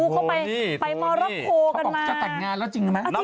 เขาบอกว่าจะตัดงานแล้วจริงรึมะ